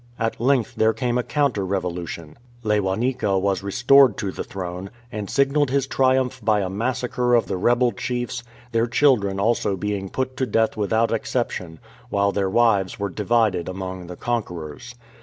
At length there came a counter revolution. Lewanika was restored to the throne, and signalized his triumph by a massacre of the rebel chiefs, their children also being put to death without exception, while their wives were divided among the conquerors.